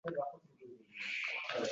Siz so‘rashingiz mumkin: